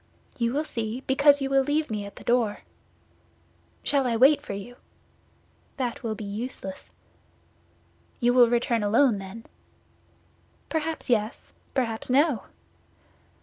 "You will see, because you will leave me at the door." "Shall I wait for you?" "That will be useless." "You will return alone, then?" "Perhaps yes, perhaps no."